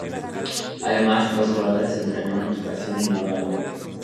Además, los jugadores estrenaron equipación y nueva web.